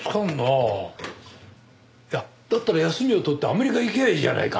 あっだったら休みを取ってアメリカ行きゃあいいじゃないか。